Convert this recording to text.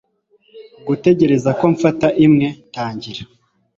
gutegereza ko mfata imwe, tangira